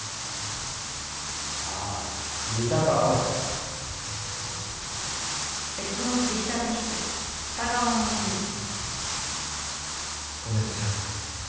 ああ三鷹蒼？ごめんなさい。